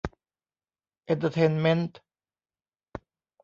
เอ็นเตอร์เทนเมนต์